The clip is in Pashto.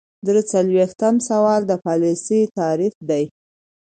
درې څلویښتم سوال د پالیسۍ تعریف دی.